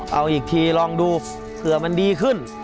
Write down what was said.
เอาอีกทีลองดูเผื่อมันดีขึ้น